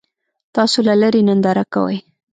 تاسو له لرې ننداره کوئ.